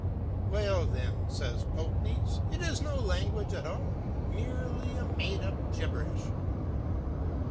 'Well, then,' says the Poknees, 'it is no language at all, merely a made up gibberish.'